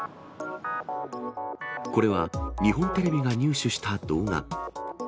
これは日本テレビが入手した動画。